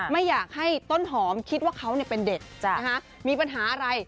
ไม่อยากให้ต้นหอมคิดว่าเขาเป็นเด็กมีปัญหาอะไร